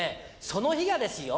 その日がですよ